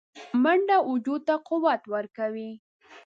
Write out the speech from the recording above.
منډه وجود ته قوت ورکوي